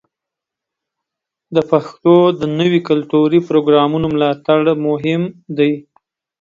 د پښتو د نویو کلتوري پروګرامونو ملاتړ مهم دی.